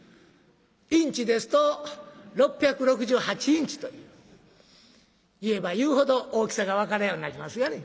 インチですと６６８インチという言えば言うほど大きさが分からんようになりますがね。